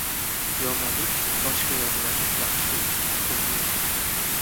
• Yomonlik toshga yoziladi, yaxshilik — qumga.